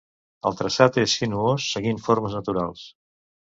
El traçat és sinuós seguint formes naturals.